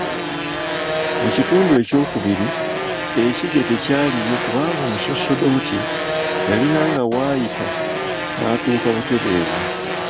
Mu kitundu ekyokubiri, ekide tekyaliyo kubanga omusosodooti yalinanga w’ayita n’atuuka butereevu.